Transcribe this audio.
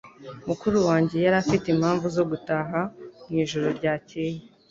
Mukuru wanjye yari afite impamvu zo gutaha mu ijoro ryakeye